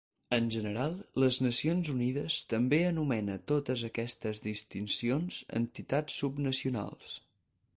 En general, les Nacions Unides també anomena totes aquestes distincions entitats subnacionals.